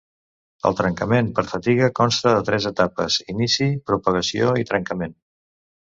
El trencament per fatiga consta de tres etapes: inici, propagació i trencament.